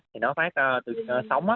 thì nó phát từ sống á